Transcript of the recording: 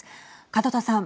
門田さん。